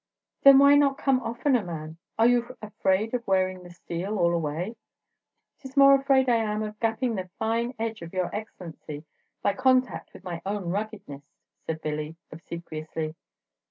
"Then why not come oftener, man? Are you afraid of wearing the steel all away?" "'T is more afraid I am of gapping the fine edge of your Excellency by contact with my own ruggedness," said Billy, obsequiously.